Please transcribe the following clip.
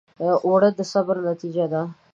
اوړه د صبر نتیجه ده